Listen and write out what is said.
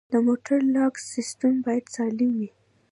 د موټر لاک سیستم باید سالم وي.